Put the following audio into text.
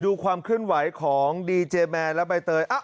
ดูความเคลื่อนไหวของดีเจแมนและใบเตย